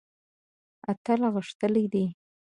اتل غښتلی دی.